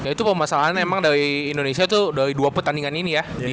itu pemasangan emang dari indonesia itu dari dua pertandingan ini ya